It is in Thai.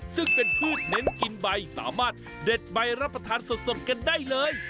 ซึ่งเป็นพืชเน้นกินใบสามารถเด็ดใบรับประทานสดกันได้เลย